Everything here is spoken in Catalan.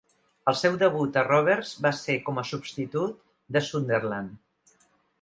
El seu debut a Rovers va ser com a substitut de Sunderland.